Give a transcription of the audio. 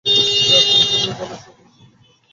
এই আত্মবিশ্বাসের বলে সকলই সম্ভব হইবে।